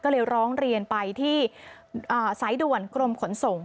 ก็เลยร้องเรียนไปที่สายด่วนกรมขนส่ง